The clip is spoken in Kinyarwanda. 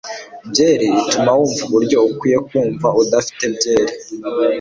byeri ituma wumva uburyo ukwiye kumva udafite byeri